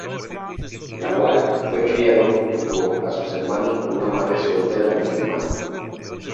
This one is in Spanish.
Lawal fue criado junto a sus hermanos por una madre soltera musulmana.